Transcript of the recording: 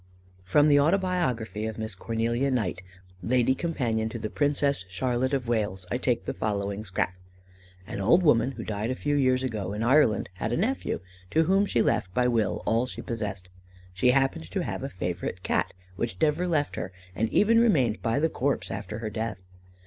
From the Autobiography of Miss Cornelia Knight, Lady Companion to the Princess Charlotte of Wales, I take the following scrap: "An old woman, who died a few years ago, in Ireland, had a nephew, to whom she left by will all she possessed. She happened to have a favourite Cat, which never left her, and even remained by the corpse after her death.